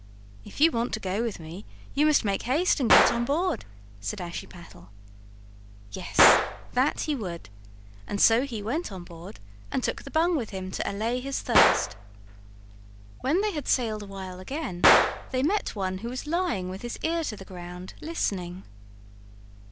"If you want to go with me you must make haste and get on board," said Ashiepattle. Yes, that he would. And so he went on board and took the bung with him to allay his thirst. When they had sailed a while again they met one who was lying with his ear to the ground, listening.